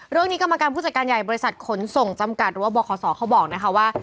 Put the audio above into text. กรรมการผู้จัดการใหญ่บริษัทขนส่งจำกัดหรือว่าบขศเขาบอกนะคะว่า